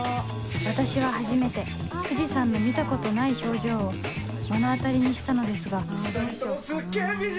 私は初めて藤さんの見たことない表情を目の当たりにしたのですが・２人ともすっげぇ美人！